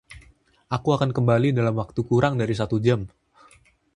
Aku akan kembali dalam waktu kurang dari satu jam.